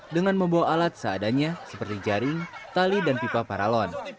dengan membawa alat seadanya seperti jaring tali dan pipa paralon